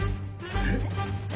えっ！